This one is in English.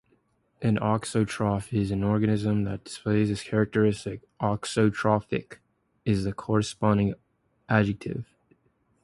An auxotroph is an organism that displays this characteristic; "auxotrophic" is the corresponding adjective.